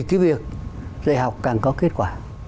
cái việc dạy học càng có kết quả